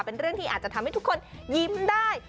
เป็นเรื่องที่อาจจะทำให้ทุกคนยิ้มได้